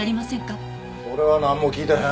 俺はなんも聞いてへん。